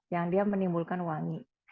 yang dia menimbulkan wangi